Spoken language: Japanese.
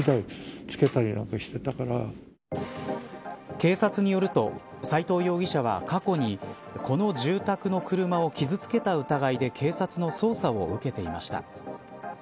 警察によると、斎藤容疑者は過去に、この住宅の車を傷付けた疑いで警察の捜査を受けていました。